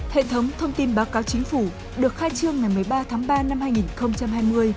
hệ thống thông tin báo cáo chính phủ được khai trương ngày một mươi ba tháng ba năm hai nghìn hai mươi